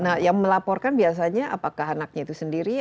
nah yang melaporkan biasanya apakah anaknya itu sendiri